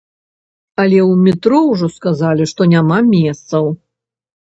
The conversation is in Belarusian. Але ў метро ўжо сказалі, што няма месцаў.